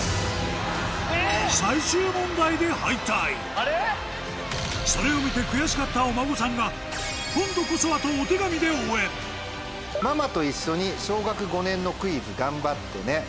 あれ⁉それを見て悔しかったお孫さんが今度こそはと「ママといっしょに小学五年のクイズがんばってね。